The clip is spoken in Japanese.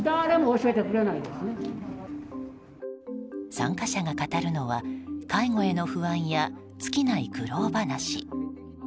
参加者が語るのは介護への不安や、尽きない苦労話。